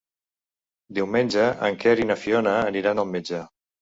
Diumenge en Quer i na Fiona aniran al metge.